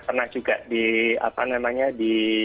pernah juga di